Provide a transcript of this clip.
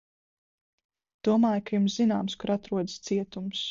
Domāju, ka jums zināms, kur atrodas cietums?